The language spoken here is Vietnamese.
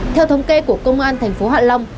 theo thống kê của công an thành phố hạ long